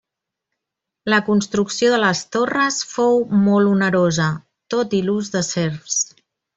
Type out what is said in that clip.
La construcció de les torres fou molt onerosa, tot i l'ús de serfs.